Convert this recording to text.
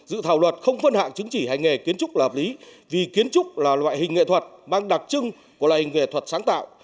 dự thảo luật không phân hạng chứng chỉ hành nghề kiến trúc là hợp lý vì kiến trúc là loại hình nghệ thuật mang đặc trưng của loại hình nghệ thuật sáng tạo